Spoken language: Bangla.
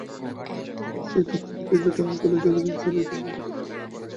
আমরা সেই তথ্যের ভিত্তিতে চট্টগ্রাম কলেজে অভিযান চালিয়ে তিনজনকে আটক করেছি।